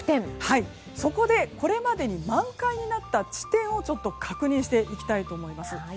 そこでこれまでに満開になった地点を確認していきたいと思います。